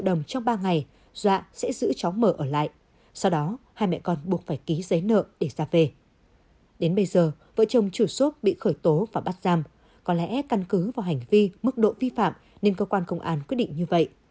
đến bây giờ vợ chồng chủ bị khởi tố và bắt giam có lẽ căn cứ vào hành vi mức độ vi phạm nên cơ quan công an quyết định như vậy